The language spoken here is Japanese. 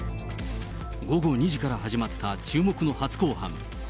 午後２時から始まった注目の初公判。